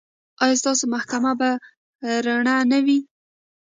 ایا ستاسو محکمه به رڼه نه وي؟